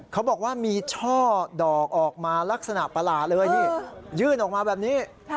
เขาบอกว่ามีช่อดอกออกมาลักษณะประหลาดเลยนี่ยื่นออกมาแบบนี้